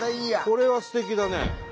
これはすてきだね。